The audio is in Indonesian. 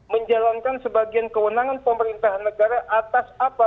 menjalankan sebagian kewenangan pemerintahan negara atas apa